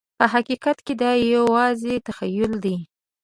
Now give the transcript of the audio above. په حقیقت کې دا یوازې تخیل دی.